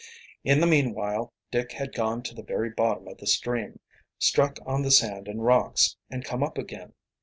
In the meanwhile Dick had gone to the very bottom of the stream, struck on the sand and rocks, and come up again.